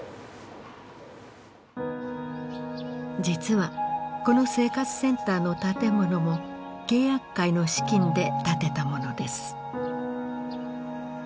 実はこの生活センターの建物も契約会の資金で建てたものです。